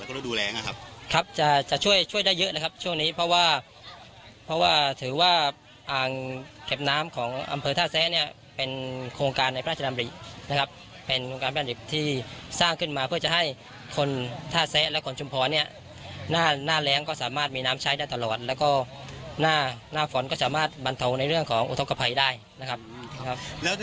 ฤดูแรงนะครับครับจะจะช่วยช่วยได้เยอะนะครับช่วงนี้เพราะว่าเพราะว่าถือว่าอ่างเก็บน้ำของอำเภอท่าแซะเนี่ยเป็นโครงการในพระราชดำรินะครับเป็นโครงการบ้านเด็กที่สร้างขึ้นมาเพื่อจะให้คนท่าแซะและคนชุมพรเนี่ยหน้าหน้าแรงก็สามารถมีน้ำใช้ได้ตลอดแล้วก็หน้าหน้าฝนก็สามารถบรรเทาในเรื่องของอุทธกภัยได้นะครับ